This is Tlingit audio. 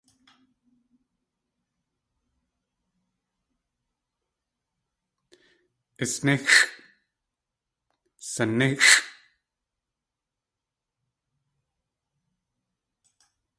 Isníxʼ; Saníxʼ!